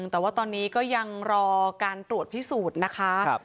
แต่ว่าตอนนี้ก็ยังรอการตรวจพิสูจน์นะคะ